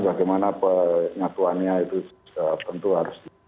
bagaimana penyatuannya itu tentu harus di